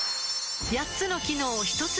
８つの機能をひとつに